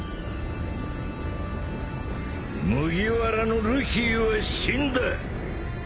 麦わらのルフィは死んだ！